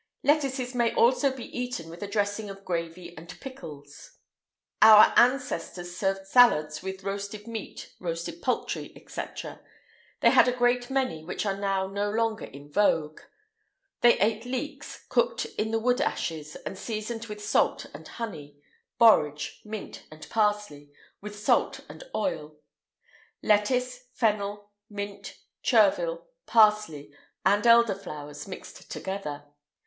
[IX 134] Lettuces may also be eaten with a dressing of gravy and pickles.[IX 135] Our ancestors served salads with roasted meat, roasted poultry, &c. They had a great many which are now no longer in vogue. They ate leeks, cooked in the wood ashes, and seasoned with salt and honey; borage, mint, and parsley, with salt and oil; lettuce, fennel, mint, chervil, parsley, and elder flowers mixed together.